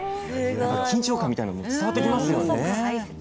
なんか緊張感みたいのも伝わってきますよね。